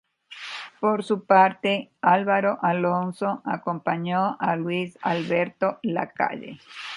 Por su parte, Álvaro Alonso acompañó a Luis Alberto Lacalle.